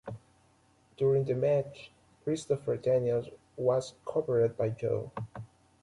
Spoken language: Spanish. During the match, Christopher Daniels was covered by Joe.